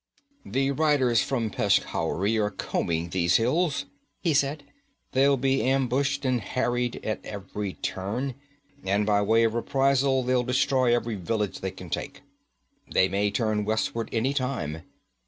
'The riders from Peshkhauri are combing these hills,' he said. 'They'll be ambushed and harried at every turn, and by way of reprisal they'll destroy every village they can take. They may turn westward any time.